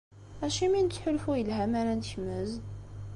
Acimi nettḥulfu yelha mi ara nekmez?